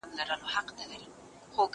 هغه وويل چي نان صحي دی!!